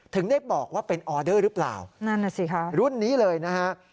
ถึงได้บอกว่าเป็นออเดอร์หรือเปล่ารุ่นนี้เลยนะฮะนั่นสิค่ะ